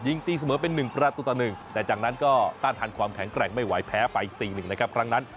ตีเสมอเป็น๑ประตูต่อ๑แต่จากนั้นก็ต้านทานความแข็งแกร่งไม่ไหวแพ้ไป๔๑นะครับครั้งนั้น